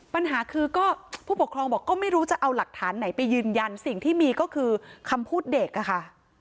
ปัญหาคือก็ผู้ปกครองบอกก็ไม่รู้จะเอาหลักฐานไหนไปยืนยันสิ่งที่มีก็คือคำพูดเด็กอะค่ะ